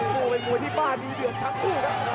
มันเป็นมวยที่บ้านมีเหลืองทั้งคู่ครับ